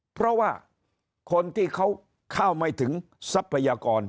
เพราะว่าคนที่เขาเข้าไม่ถึงทรัพยากร